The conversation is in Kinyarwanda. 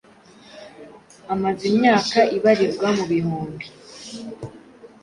amaze imyaka ibarirwa mu bihumbi,